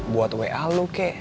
buat wa lo kek